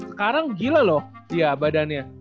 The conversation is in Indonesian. sekarang gila loh dia badannya